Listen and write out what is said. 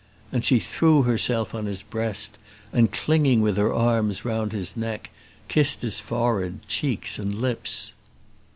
And she threw herself on his breast, and clinging with her arms round his neck, kissed his forehead, cheeks, and lips.